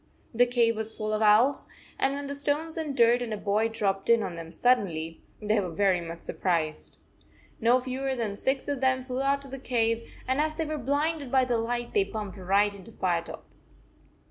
The cave was full of owls, and when the stones and dirt and a boy dropped in on them suddenly, they were very much sur prised. No fewer than six of them flew out of the cave, and as they were blinded by the light, they bumped right into Firetop.